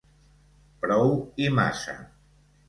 Prou i massa.